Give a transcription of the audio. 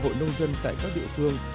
hội nông dân tại các địa phương